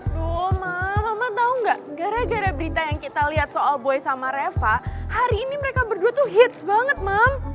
aduh mam mama tau gak gara gara berita yang kita liat soal boy sama reva hari ini mereka berdua tuh hits banget mam